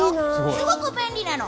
すごく便利なの。